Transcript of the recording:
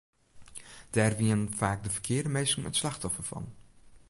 Dêr wienen faak de ferkearde minsken it slachtoffer fan.